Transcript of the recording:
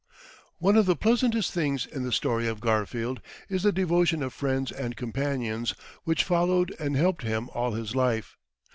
One of the pleasantest things in the story of Garfield is the devotion of friends and companions, which followed and helped him all his life.